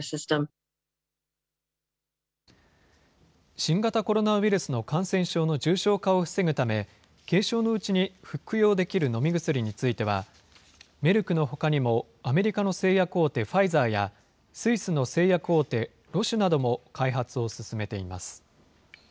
新型コロナウイルスの感染症の重症化を防ぐため、軽症のうちに服用できる飲み薬については、メルクのほかにもアメリカの製薬大手、ファイザーや、スイスの製薬大手、ロシュなども開発を進めています。